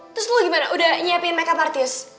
terus lo gimana udah nyiapin makeup artis